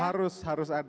harus harus ada